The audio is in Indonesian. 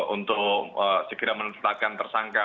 untuk segera menetapkan tersangka